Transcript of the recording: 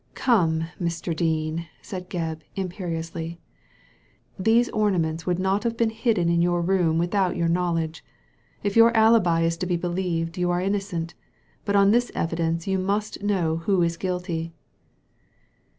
Come, Mr. Dean/' said Gebb, imperiously, ''these ornaments would not have been hidden in your room without your knowledge. If your alibi is to be believed you are innocent, but on this evidence you must know who is guilty."